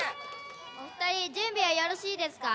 お二人準備はよろしいですか？